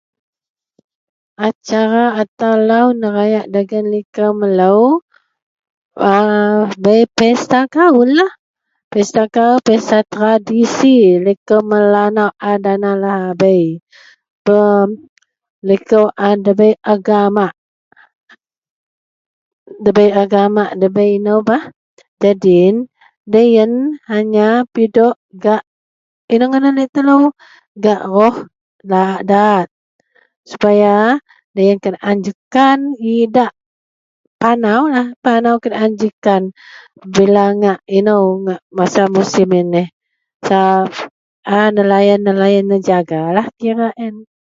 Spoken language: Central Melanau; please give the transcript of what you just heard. acara atau lau neraya dagen liko melou a bei pesta kaullah, pesta kaul pesta tradisi liko Melanau a dana lahabei, pum liko a debai a agama debei agama debei inou bah nyadin deloyien hanya pidok gak inou ngadan laie telou gak ruh daat supaya deloyien kenaan jekan idak, panaulah panau kenaan jekan pabila ngak inou ngak masa musim ien neh a nelayan-nelayan nejaga la kira a ien